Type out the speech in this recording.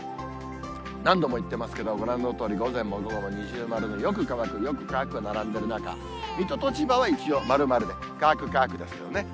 何度も言ってますけど、ご覧のとおり午前も午後も二重丸のよく乾く、よく乾く並んでいる中、水戸と千葉は一応、丸、丸で、乾く、乾くですね。